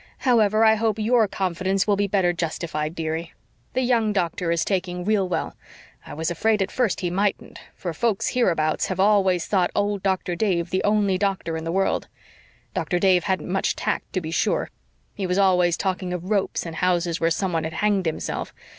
However, I hope YOUR confidence will be better justified, dearie. The young doctor is taking real well. I was afraid at first he mightn't, for folks hereabouts have always thought old Doctor Dave the only doctor in the world. Doctor Dave hadn't much tact, to be sure he was always talking of ropes in houses where someone had hanged himself.